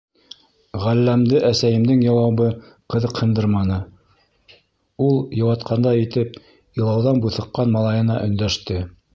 Ғәлләмде әсәйемдең яуабы ҡыҙыҡһындырманы, ул, йыуатҡандай итеп, илауҙан буҫыҡҡан малайына өндәште: